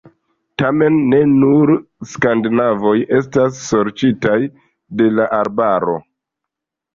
Tamen ne nur skandinavoj estas sorĉitaj de la arbaro.